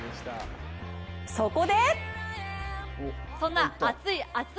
そこで！